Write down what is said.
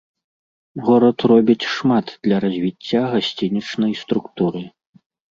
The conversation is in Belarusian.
Горад робіць шмат для развіцця гасцінічнай структуры.